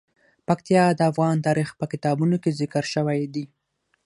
پکتیا د افغان تاریخ په کتابونو کې ذکر شوی دي.